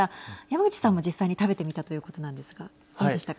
山口さんも実際に食べてみたということなんですがはい。